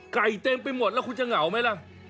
เต็มไปหมดแล้วคุณจะเหงาไหมล่ะ